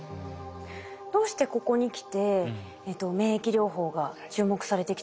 どうしてここにきて免疫療法が注目されてきたんですか？